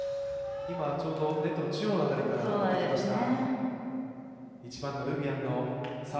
今ちょうどネットの中央の辺りから打ってきました。